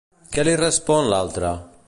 Què li respon l'altre?